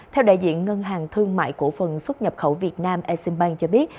theo đại diện ngân hàng thương mại cổ phần xuất nhập khẩu việt nam eximbank cho biết